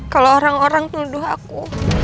kalau orang orang tuduh aku